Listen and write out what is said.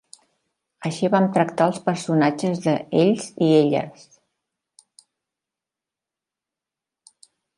Així vam tractar els personatges de "Ells i elles".